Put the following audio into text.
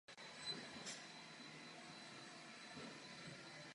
Některé oltáře jsou také doplněny sochami svatých.